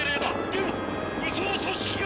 でも武装組織が！